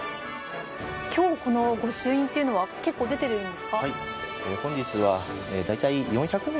今日、この御朱印というのは結構出ているんですか？